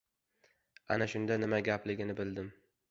Ana shunda nima gapligini bildim.